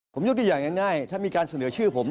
ผมยกตัวอย่างง่ายถ้ามีการเสนอชื่อผม